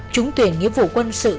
chúng tuyển nghĩa vụ quân sự